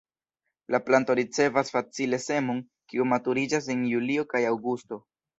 La planto ricevas facile semon, kiu maturiĝas en julio kaj aŭgusto.